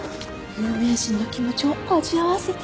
有名人の気持ちを味わわせて。